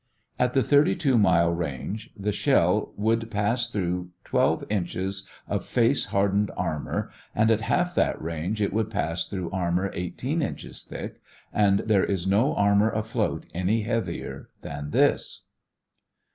At the 32 mile range the shell would pass through 12 inches of face hardened armor and at half that range it would pass through armor 18 inches thick, and there is no armor afloat any heavier than this.